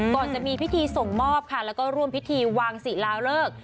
ก่อนจะมีพิธีส่งมอบค่ะแล้วก็ร่วมพิธีวางศิลาเลิก